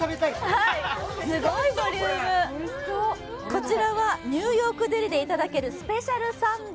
こちらはニューヨーク・デリでいただけるスペシャルサンド。